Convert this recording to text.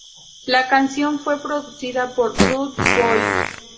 La canción fue producida por Rude Boyz.